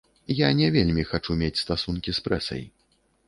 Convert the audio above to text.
Я не вельмі хачу мець стасункі з прэсай.